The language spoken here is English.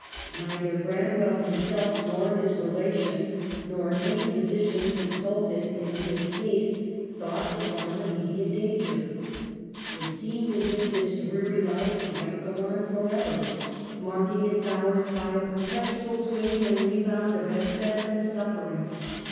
Neither Branwell himself, nor his relations, nor any physician consulted in his 292 EMILY BRONTE. case, thought it one of immediate danger ; it seemed as if this dreary life might go on for ever, marking its hours by a perpetual swing and rebound of excess and suffering.